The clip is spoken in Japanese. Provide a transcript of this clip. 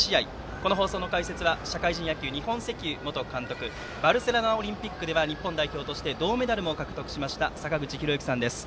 この放送の解説は社会人野球日本石油元監督バルセロナオリンピックでは日本代表として銅メダルも獲得しました坂口裕之さんです。